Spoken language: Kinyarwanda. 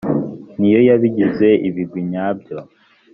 ni yo yagize ibigwi nyabyo